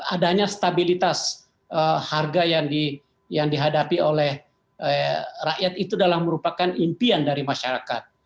adanya stabilitas harga yang dihadapi oleh rakyat itu adalah merupakan impian dari masyarakat